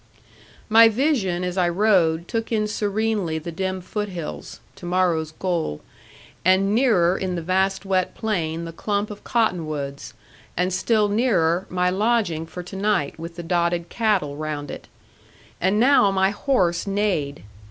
My vision, as I rode, took in serenely the dim foot hills, to morrow's goal, and nearer in the vast wet plain the clump of cottonwoods, and still nearer my lodging for to night with the dotted cattle round it. And now my horse neighed.